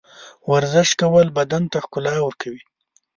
ورزش کول بدن ته ښکلا ورکوي.